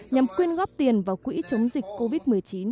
nhằm quyên góp tiền vào quỹ chống dịch covid một mươi chín